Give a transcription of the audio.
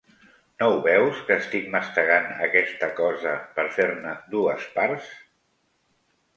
No ho veus, que estic mastegant aquesta cosa per fer-ne dues parts.